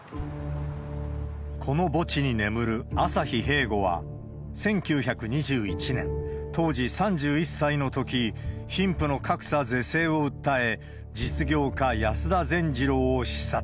この墓地に眠る朝日平吾は１９２１年、当時３１歳のとき、貧富の格差是正を訴え、実業家、安田善次郎を刺殺。